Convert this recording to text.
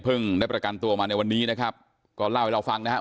ได้ประกันตัวมาในวันนี้นะครับก็เล่าให้เราฟังนะครับ